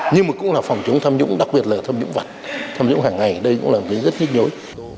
nhưng mà cũng là phòng chống tham nhũng đặc biệt là tham nhũng vật tham nhũng hàng ngày đây cũng là một cái rất nhức nhối